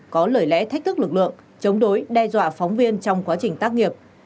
có lời lẽ thách thức lực lượng chống đối đe dọa phóng viên trong quá trình tác nghiệp